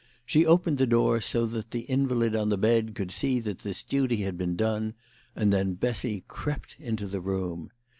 She opened the door so that the invalid on the bed could see that this duty had been done, and then Bessy crept into the room.